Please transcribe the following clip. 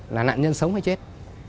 là nạn nhân sống hay chết